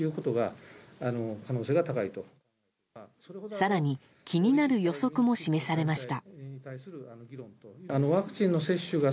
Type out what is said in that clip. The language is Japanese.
更に、気になる予測も示されました。